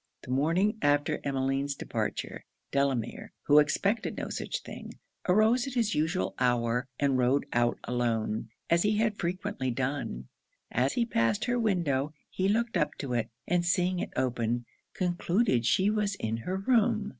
The morning after Emmeline's departure, Delamere, who expected no such thing, arose at his usual hour and rode out alone, as he had frequently done. As he passed her window, he looked up to it, and seeing it open, concluded she was in her room.